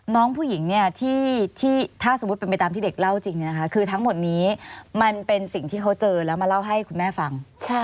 น้องผู้หญิงเนี่ยที่ถ้าสมมุติเป็นไปตามที่เด็กเล่าจริงคือทั้งหมดนี้มันเป็นสิ่งที่เขาเจอแล้วมาเล่าให้คุณแม่ฟัง